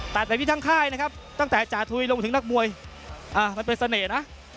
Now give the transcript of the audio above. แบบนี้ทั้งค่ายนะครับตั้งแต่จาทุยลงถึงนักมวยมันเป็นเสน่ห์นะ